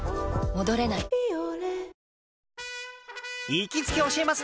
行きつけ教えます！